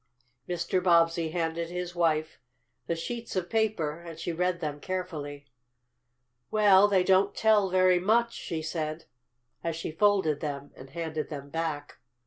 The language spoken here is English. Mr. Bobbsey handed his wife the sheets of paper, and she read them carefully. "Well, they don't tell very much," she said as she folded them and handed them back.